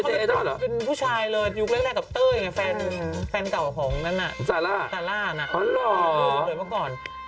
อ๋อเขาเป็นผู้ชายเลยยุคแรกกับเต้ออย่างนี้แฟนเก่าของนั้นน่ะสาร่าสาร่าน่ะโดยเกิดเมื่อก่อน